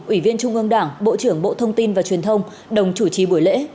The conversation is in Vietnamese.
ủy viên trung ương đảng bộ trưởng bộ thông tin và truyền thông đồng chủ trì buổi lễ